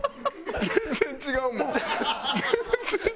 全然違うもん。